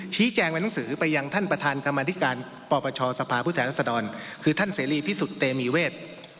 ชี้แจงเป็นหนังสือไปยังท่านประธานกรรมธิการปปชสภาพผู้แทนรัศดรคือท่านเสรีพิสุทธิเตมีเวท